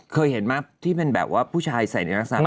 เคยเห็นไหมที่เป็นแบบว่าผู้ชายใส่ในลักษณะ